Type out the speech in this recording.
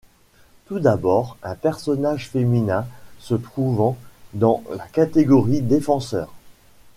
Tout d'abord, un personnage féminin se trouvant dans la catégorie défenseurs.